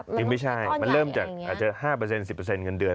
จริงไม่ใช่มันเริ่มจากอาจจะ๕เปอร์เซ็นต์๑๐เปอร์เซ็นต์เงินเดือน